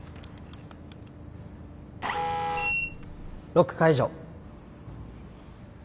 ロック解除。